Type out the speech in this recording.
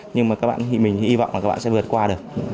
nhưng mà mình hy vọng là các bạn sẽ vượt qua được